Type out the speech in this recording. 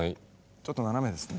ちょっと斜めですね。